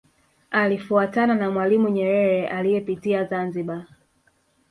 Alifuatana na Mwalimu Nyerere aliyepitia Zanzibar